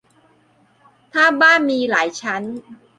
ถ้าบ้านมีหลายชั้น